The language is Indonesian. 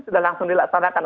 sudah langsung dilaksanakan